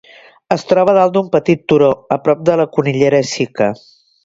Es troba dalt d'un petit turó, a prop de la Conillera Xica.